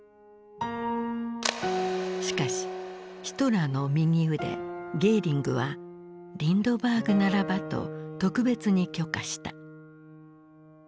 しかしヒトラーの右腕ゲーリングはリンドバーグならばと特別に許可した。